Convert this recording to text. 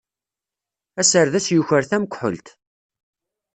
Aserdas yuker tamekḥelt.